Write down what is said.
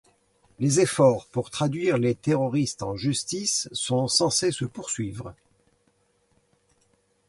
Les efforts pour traduire les terroristes en justice sont sensés se poursuivre.